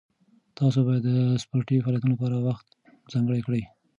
تاسو باید د سپورټي فعالیتونو لپاره وخت ځانګړی کړئ.